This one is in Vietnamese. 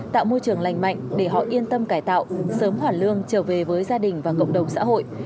tạo môi trường lành mạnh để họ yên tâm cải tạo sớm hoàn lương trở về với gia đình và cộng đồng xã hội